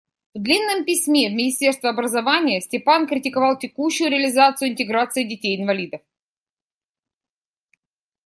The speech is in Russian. В длинном письме в министерство образования Степан критиковал текущую реализацию интеграции детей-инвалидов.